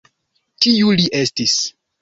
Kiu li estis?